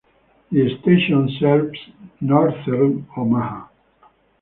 The station serves northern Omaha.